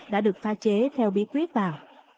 đã được pha chế theo bí quyết vào